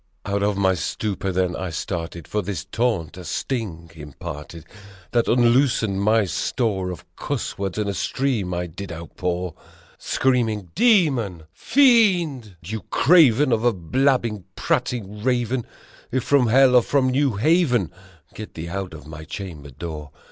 Out my stupor then I started for this taunt a sting imparted, That unloosed my store of cuss words and a stream I did outpour! Screaming, "Demon ! Fiend ! You Craven of a blab bing, prating Raven ! If from hell or from New Haven, get thee out my chamber door!"